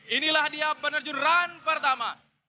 inilah dia penerjuran pertama